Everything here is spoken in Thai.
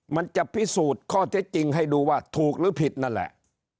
มันจะพิสูจน์ข้อเท็จจริงให้ดูว่าถูกหรือผิดนั่นแหละ